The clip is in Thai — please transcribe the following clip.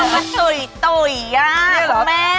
น่าว่าตุ๋ยน่ะของแม่